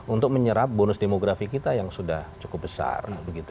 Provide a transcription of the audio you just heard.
untuk menyerap bonus demografi kita yang sudah cukup besar